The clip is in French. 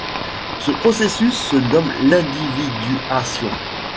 Ce processus se nomme l’individuation.